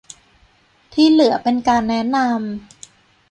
ที่เหลือเป็นการแนะนำ